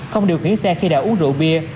không điều khiển xe khi đã uống rượu bia